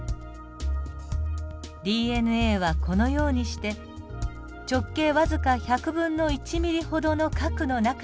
ＤＮＡはこのようにして直径僅か１００分の１ミリほどの核の中に収納されているのです。